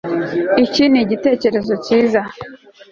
Iki ni igitekerezo cyiza